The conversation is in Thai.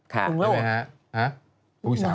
ถูกหรือเปล่า